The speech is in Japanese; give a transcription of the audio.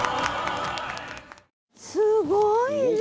すごいね。